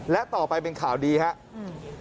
และต่อไปเป็นข่าวดีครับ